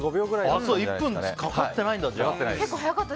１分かかってないんだ。